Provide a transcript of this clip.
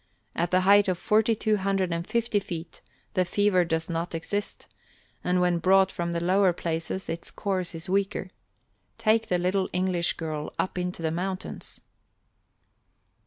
At the height of forty two hundred and fifty feet the fever does not exist and when brought from the lower places its course is weaker. Take the little English girl up into the mountains."